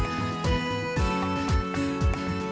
โปรดติดตามตอนต่อไป